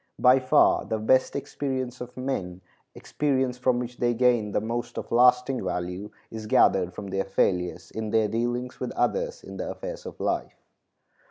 By far the best experience of men, experience from which they gain the most of lasting value, is gathered from their failures in their dealings with others in the affairs of life.